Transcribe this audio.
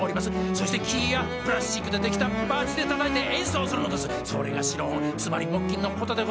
そして木やプラスチックで出来たバチでたたいて演奏するのですそれがシロフォンつまり木琴のことでございます